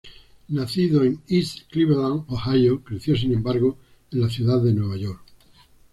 Nacido en East Cleveland, Ohio, creció sin embargo en la ciudad de Nueva York.